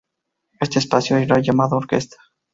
Este espacio era llamado "orquesta".